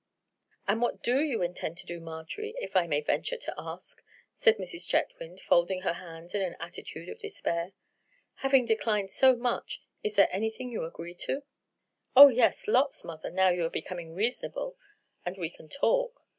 "And what do you intend to do, Marjorie; if I may venture to ask?" said Mrs. Chetwynd, folding her hands in an attitude of despair. "Having declined so much, is there anything you agree to?" "Oh yes, lots, mother, now you are becoming reasonable, and we can talk.